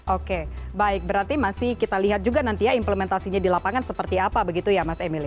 oke baik berarti masih kita lihat juga nanti ya implementasinya di lapangan seperti apa begitu ya mas emil ya